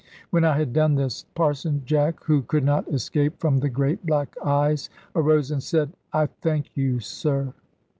When I had done this, Parson Jack (who could not escape from the great black eyes) arose, and said, "I thank you, sir."